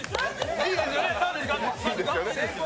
いいですよね？